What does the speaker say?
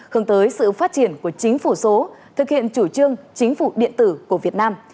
hướng tới sự phát triển của chính phủ số thực hiện chủ trương chính phủ điện tử của việt nam